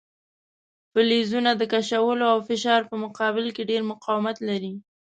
فلزونه د کشولو او فشار په مقابل کې ډیر مقاومت لري.